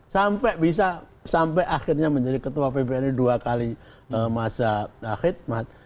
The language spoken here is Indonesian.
sampai bisa sampai akhirnya menjadi ketua pbnu dua kali masa khidmat